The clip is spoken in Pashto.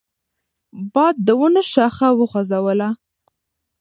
باد د ونو شاخه وخوځوله.